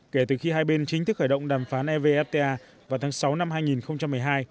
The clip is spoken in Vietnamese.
kể từ khi hai bên chính thức khởi động đàm phán evfta vào tháng sáu năm hai nghìn một mươi hai